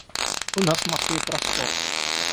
У нас в Москве простор.